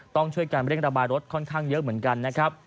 ต้องช่วยการเร่งระบายรถค่อนข้างเยอะเหมือนกันนะครับ